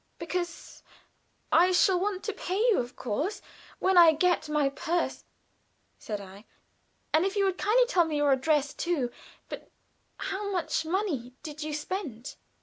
"Because I shall want to pay you, of course, when I get my purse," said I. "And if you will kindly tell me your address, too but how much money did you spend?"